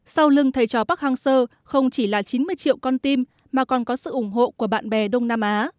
sau lưng thầy chó park hang seo không chỉ là chín mươi triệu con tim mà còn có sự ủng hộ của bạn bè đông nam á